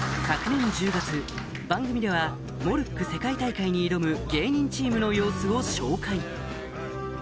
昨年１０月番組ではモルック世界大会に挑む芸人チームの様子を紹介